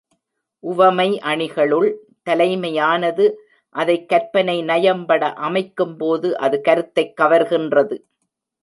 உவமை அணிகளுள் தலைமையானது அதைக் கற்பனை நயம்பட அமைக்குப் போது அது கருத்தைக் கவர்கின்றது.